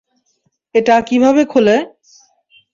এটা কিভাবে খোলে?